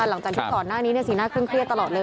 หลังจากที่ก่อนหน้านี้สีหน้าเคร่งเครียดตลอดเลย